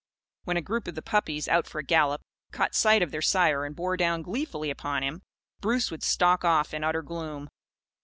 When a group of the puppies, out for a gallop, caught sight of their sire and bore down gleefully upon him, Bruce would stalk off in utter gloom.